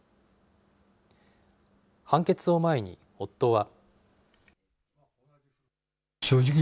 判決を前に、夫は。